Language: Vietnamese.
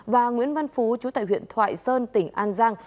và nguyễn văn phú chú tại huyện thoại sơn tỉnh an giang